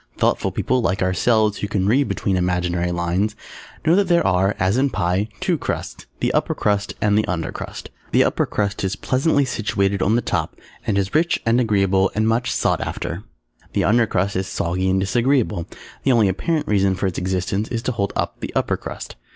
Thoughtful people (like ourselves) who can read between imaginary lines, know that there are (as in a pie) two Crusts, the Upper Crust and the Under Crust. The Upper Crust is pleasantly situated on the top and is rich and agreeable and much sought after. The Under Crust is soggy and disagreeable. The only apparent reason for its existence is to hold up the Upper Crust.